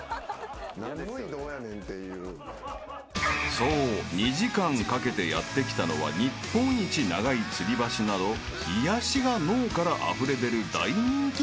［そう２時間かけてやって来たのは日本一長いつり橋など癒やしが脳からあふれ出る大人気観光スポット］